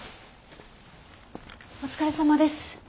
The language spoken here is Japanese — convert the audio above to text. お疲れさまです。